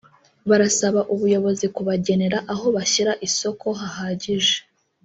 barasaba ubuyobozi kubagenera aho bashyira isoko hahagije